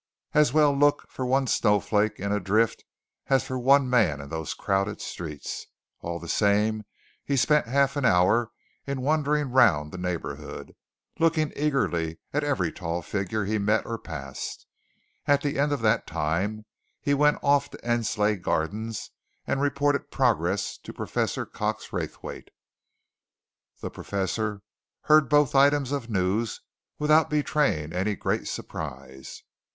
As well look for one snowflake in a drift as for one man in those crowded streets! all the same, he spent half an hour in wandering round the neighbourhood, looking eagerly at every tall figure he met or passed. And at the end of that time he went off to Endsleigh Gardens and reported progress to Professor Cox Raythwaite. The Professor heard both items of news without betraying any great surprise.